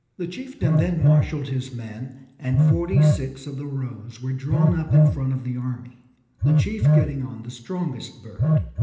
The chieftain then marshalled his men, and forty six of the Rohs were drawn up in front of the army, the chief getting on the strongest bird.